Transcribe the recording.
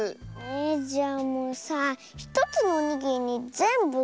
えじゃあもうさ１つのおにぎりにぜんぶ